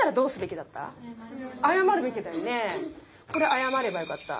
謝ればよかった。